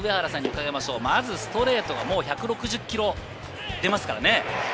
まずストレートがもう１６０キロ行ってますからね。